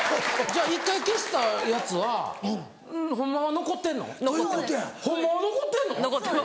じゃあ１回消したやつはホンマは残ってんの？ということや。